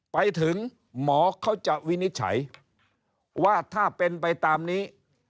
ไปถึงหมอเขาจะวินิจฉัยว่าถ้าเป็นไปตามนี้